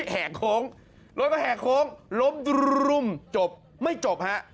แหกโค้งรถก็แหกโค้งลบจบไม่จบครับ